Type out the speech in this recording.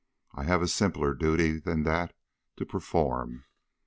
I have a simpler duty than that to perform.